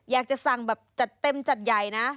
อยากจะสั่งแบบจัดเต็มจัดใหญ่นะ